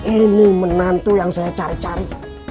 ini menantu yang saya cari cari